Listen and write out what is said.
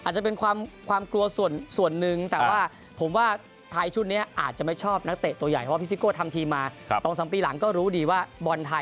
หลังตรงสามปีหลังก็รู้ดีว่า